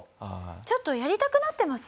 ちょっとやりたくなってます？